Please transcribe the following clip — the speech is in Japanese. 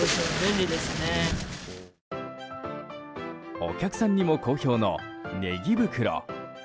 お客さんにも好評の、ねぎ袋。